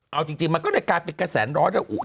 เอาจริงมันก็เลยกลายเป็นกระแสร้อนระอุ